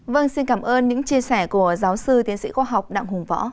vâng xin cảm ơn những chia sẻ của giáo sư tiến sĩ khoa học đặng hùng võ